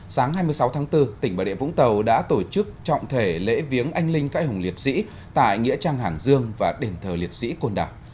sáng hai mươi sáu tháng bốn tỉnh bà địa vũng tàu đã tổ chức trọng thể lễ viếng anh linh cãi hùng liệt sĩ tại nghĩa trang hàng dương và đền thờ liệt sĩ côn đảo